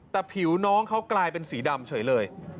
แต่ผิวน้องเขากลายเป็นสีดำเฉยเลย